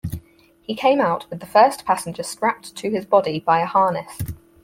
He came out with the first passenger strapped to his body by a harness.